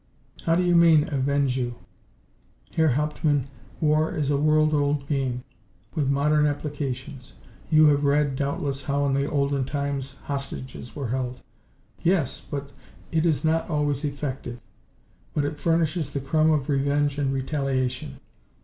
"How do you mean, avenge you?" "Herr Hauptmann, war is a world old game, with modern applications. You have read, doubtless, how in the olden times hostages were held?" "Yes, but " "It is not always effective, but it furnishes the crumb of revenge and retaliation.